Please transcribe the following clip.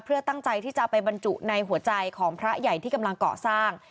เพื่อตั้งใจที่จะไปบรรจุในหัวใจของพระใหญ่ที่กำลังเกาะสร้าง